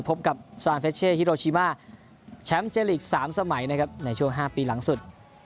พบกับฮิโรชิม่าแชมป์เจอร์ลีคสามสมัยนะครับในช่วงห้าปีหลังสุด